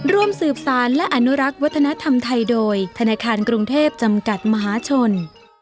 ร่วมสืบสารและอนุรักษ์วัฒนธรรมไทยโดยธนาคารกรุงเทพจำกัดมหาชน